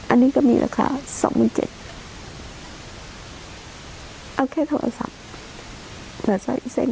อันนี้ก็มีราคาสองหมื่นเจ็ดเอาแค่โทรศัพท์